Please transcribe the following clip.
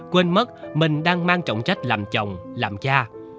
quên mất mình đang mang trọng trách làm chồng làm cha